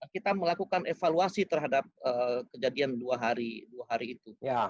kita melakukan evaluasi terhadap kejadian dua hari itu